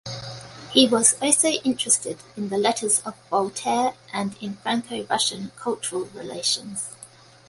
He was also interested in the letters of Voltaire and in Franco-Russian cultural relations.